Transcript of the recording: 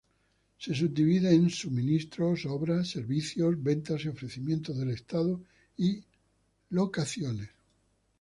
Se subdivide en: Suministros, Obras, Servicios, Ventas y Ofrecimientos del Estado y Locaciones.